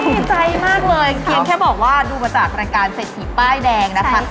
ดีใจมากเลยเพียงแค่บอกว่าดูมาจากรายการเศรษฐีป้ายแดงนะคะ